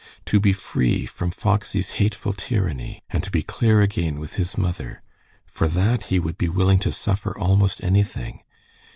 To be free from Foxy's hateful tyranny, and to be clear again with his mother for that he would be willing to suffer almost anything.